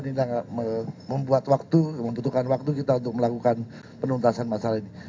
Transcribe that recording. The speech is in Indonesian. ini membuat waktu membutuhkan waktu kita untuk melakukan penuntasan masalah ini